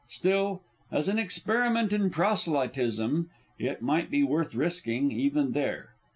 Still, as an experiment in proselytism, it might be worth risking, even there.